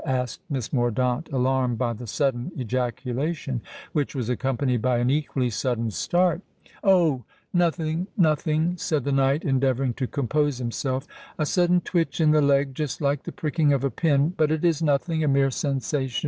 asked Miss Mordaunt, alarmed by the sudden ejaculation, which was accompanied by an equally sudden start. "Oh! nothing—nothing," said the knight, endeavouring to compose himself: "a sudden twitch in the leg—just like the pricking of a pin—but it is nothing—a mere sensation!